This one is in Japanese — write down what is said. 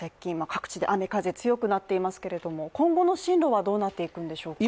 各地で雨・風強くなっていますけれども今後の進路はどうなっていくんでしょうか。